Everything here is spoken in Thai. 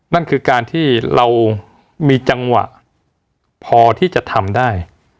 นั่นคือการที่เรามีจังหวะพอที่จะทำได้